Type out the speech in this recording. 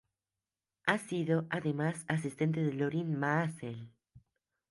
Ha sido, además, asistente de Lorin Maazel.